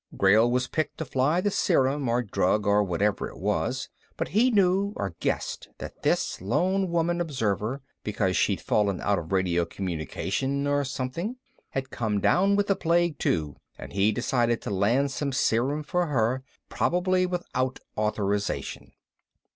Grayl was picked to fly the serum, or drug or whatever it was. But he knew or guessed that this lone woman observer (because she'd fallen out of radio communication or something) had come down with the plague too and he decided to land some serum for her, probably without authorization.